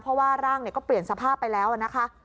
เพราะว่าร่างก็เปลี่ยนสภาพไปแล้วนะคะ